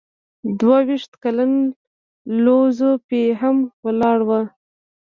دوه ویشت کلن لو ځو پي هم ولاړ و.